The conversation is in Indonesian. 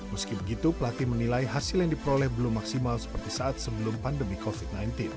meski begitu pelatih menilai hasil yang diperoleh belum maksimal seperti saat sebelum pandemi covid sembilan belas